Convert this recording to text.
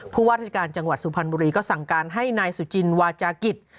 ว่าราชการจังหวัดสุพรรณบุรีก็สั่งการให้นายสุจินวาจากิจ